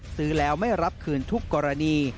ซื้อแล้วไม่รับคืนทุกกรณี